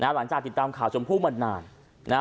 หลังจากติดตามข่าวชมพู่มานาน